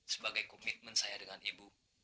sebagai komitmen saya dengan ibu